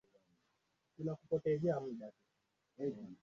ukimwi ni ugonjwa hatari sana katika maisha ya binadamu